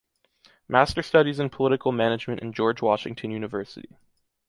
Master Studies in Political Management in George Washington University.